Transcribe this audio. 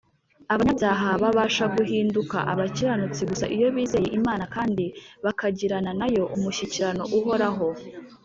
abanyabyaha babasha guhinduka abakiranutsi gusa iyo bizeye imana kandi bakagirana nayo umushyikirano uhoraho